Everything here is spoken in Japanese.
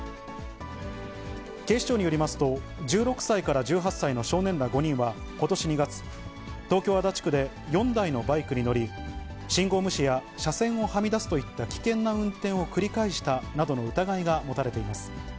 警視庁によりますと、１６歳から１８歳の少年ら５人はことし２月、東京・足立区で４台のバイクに乗り、信号無視や車線をはみ出すといった危険な運転を繰り返したなどの疑いが持たれています。